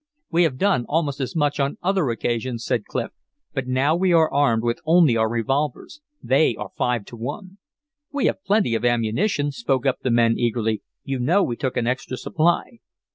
"We have done almost as much on other occasions," said Clif, "but now we are armed with only our revolvers. They are five to one." "We have plenty of ammunition," spoke up the men, eagerly. "You know we took an extra supply."